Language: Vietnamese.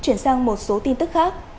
chuyển sang một số tin tức khác